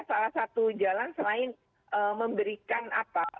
salah satu jalan selain memberikan apa